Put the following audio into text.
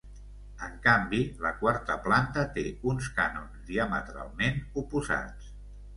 En canvi, la quarta planta té uns cànons diametralment oposats.